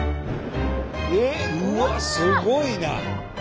うわっすごいな！